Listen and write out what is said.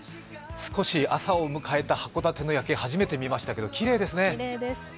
少し朝を迎えた函館の夜景初めてみましたがきれいですね。